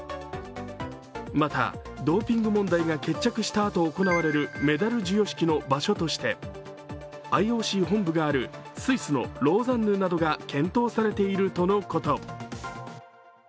また、ドーピング問題が決着したあと行われるメダル授与式の場所としてＩＯＣ本部があるスイスのローザンヌなどが検討されているとのこと。